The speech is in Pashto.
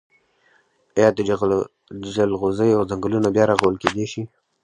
آیا د جلغوزیو ځنګلونه بیا رغول کیدی شي؟